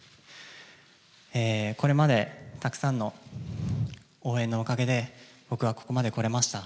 これまでたくさんの応援のおかげで、僕はここまで来れました。